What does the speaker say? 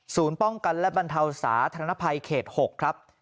ศูนย์ป้องกันและบรรเทาสาธนภัยเขต๖ครับ